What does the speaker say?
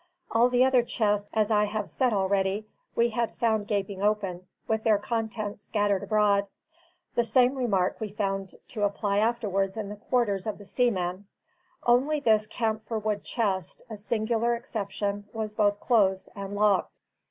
All the other chests, as I have said already, we had found gaping open, and their contents scattered abroad; the same remark we found to apply afterwards in the quarters of the seamen; only this camphor wood chest, a singular exception, was both closed and locked.